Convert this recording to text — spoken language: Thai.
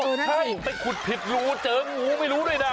ใช่ไปขุดผิดรูเจองูไม่รู้ด้วยนะ